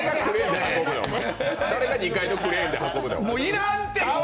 誰が２階にクレーンで運ぶんや。